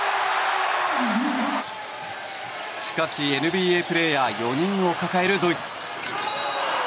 しかし、ＮＢＡプレーヤー４人を抱えるドイツ。